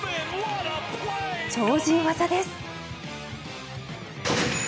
超人技です。